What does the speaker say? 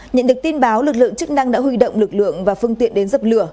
nhận được tin báo lực lượng chức năng đã huy động lực lượng và phương tiện đến dập lửa